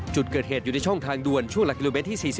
จุดเกิดเหตุอยู่ในช่องทางด่วนช่วงหลักกิโลเมตรที่๔๐